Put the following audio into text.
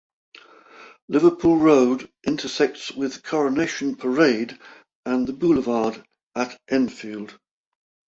Liverpool Road intersects with Coronation Parade and The Boulevarde at Enfield.